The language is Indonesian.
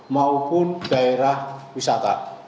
maupun daerah wisata